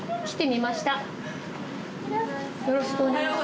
よろしくお願いします。